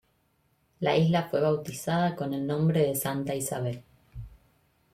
La isla fue bautizada con el nombre de Santa Isabel.